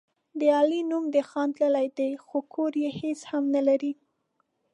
د علي نوم د خان تللی دی، خو کور کې هېڅ هم نه لري.